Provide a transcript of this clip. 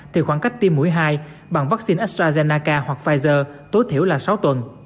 thì khoảng cách tiêm mũi hai bằng vaccine astrazennaca hoặc pfizer tối thiểu là sáu tuần